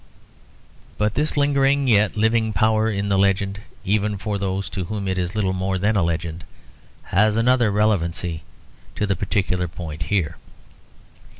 But this lingering yet living power in the legend, even for those to whom it is little more than a legend, has another relevancy to the particular point here.